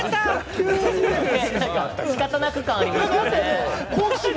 仕方なく感ありましたね。